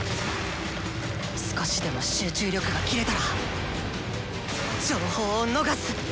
少しでも集中力が切れたら情報を逃す！